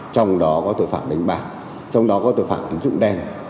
trong đó có tội phạm đánh bạc trong đó có tội phạm tín dụng đen